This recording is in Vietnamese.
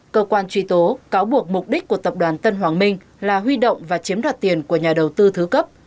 cơ quan truy tố cáo buộc mục đích của tập đoàn tân hoàng minh là huy động và chiếm đoạt tiền của nhà đầu tư thứ cấp